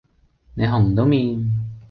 你紅都面